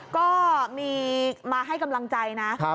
ก็มีมาให้กำลังใจนะ